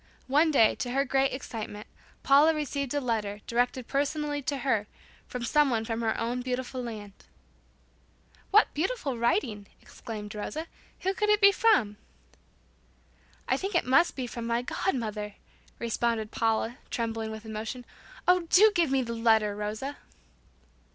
One day, to her great excitement, Paula received a letter, directed personally to her, from someone from her own beloved land. "What beautiful writing!" exclaimed Rosa. "Who could it be from?" "I think it must be from my god mother," responded Paula, trembling with emotion. "Oh, do give me the letter, Rosa."